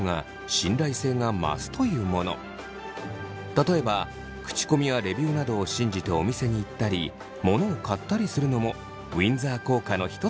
例えば口コミやレビューなどを信じてお店に行ったり物を買ったりするのもウィンザー効果の一つといわれています。